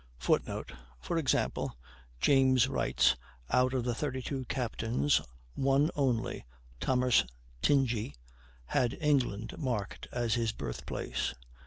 [Footnote: For example, James writes: "Out of the 32 captains one only, Thomas Tingey, had England marked as his birthplace....